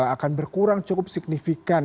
akan berkurang cukup signifikan